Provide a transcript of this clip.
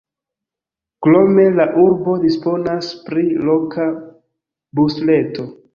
Krome la urbo disponas pri loka busreto.